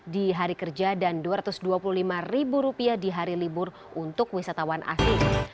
di hari kerja dan rp dua ratus dua puluh lima di hari libur untuk wisatawan asing